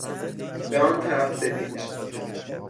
به آن طرف بپیچ!